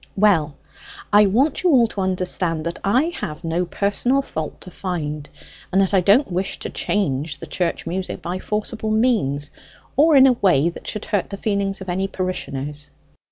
"Well, I want you all to understand that I have no personal fault to find, and that I don't wish to change the church music by forcible means, or in a way which should hurt the feelings of any parishioners.